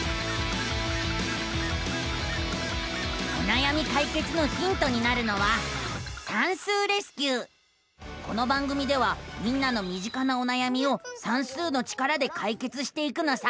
おなやみかいけつのヒントになるのはこの番組ではみんなのみ近なおなやみを算数の力でかいけつしていくのさ！